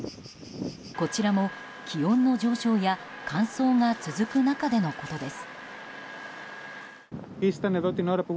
こちらも気温の上昇や乾燥が続く中でのことです。